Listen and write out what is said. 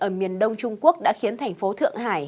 ở miền đông trung quốc đã khiến thành phố thượng hải